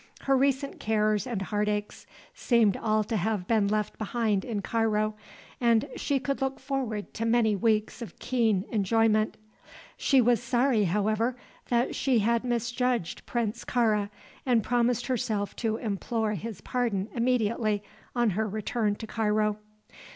Her recent cares and heartaches seemed all to have been left behind in Cairo, and she could look forward to many weeks of keen enjoyment. She was sorry, however, that she had misjudged Prince Kāra, and promised herself to implore his pardon immediately on her return to Cairo.